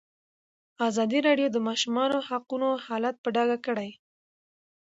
ازادي راډیو د د ماشومانو حقونه حالت په ډاګه کړی.